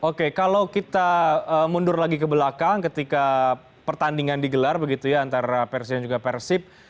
oke kalau kita mundur lagi ke belakang ketika pertandingan digelar begitu ya antara persija dan juga persib